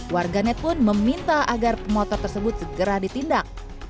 warganet pun meminta agar pemotor tersebut segera ditindak